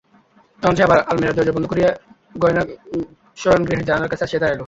তখন সে আবার আলমারির দরজা বন্ধ করিয়া শয়নগৃহের জানলার কাছে আসিয়া দাঁড়াইল।